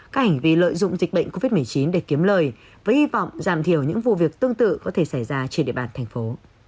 các hành vi lợi dụng dịch bệnh covid một mươi chín để kiếm lời với hy vọng giảm thiểu những vụ việc tương tự có thể xảy ra trên địa bàn thành phố